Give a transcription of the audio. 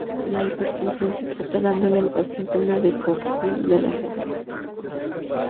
La hipertensión se trata dándole al paciente una decocción de las hojas.